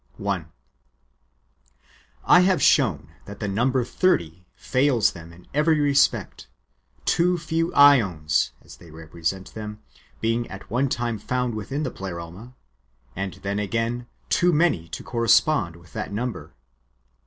1, I have shown that the number thirty fails them in every respect; too few ^ons, as they represent them, being at one time found within the Pleroma, and then again too many [to correspond with that number].